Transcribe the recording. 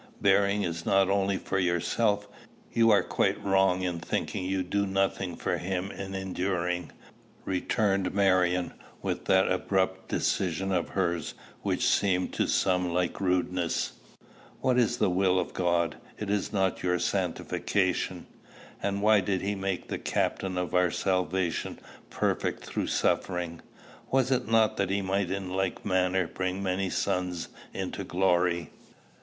Bearing is not only for yourself. You are quite wrong in thinking you do nothing for him in enduring," returned Marion, with that abrupt decision of hers which seemed to some like rudeness. "What is the will of God? Is it not your sanctification? And why did he make the Captain of our salvation perfect through suffering? Was it not that he might in like manner bring many sons into glory?